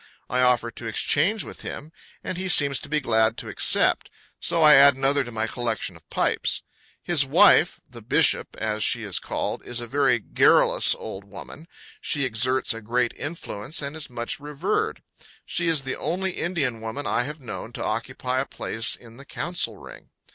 I offer to exchange with him, and he seems to be glad to accept; so I add another to my collection of pipes. His wife, "The Bishop," as she is called, is a very garrulous old woman; she exerts a great influence, and is much revered. She is the only Indian woman I have known to occupy a place in the council ring.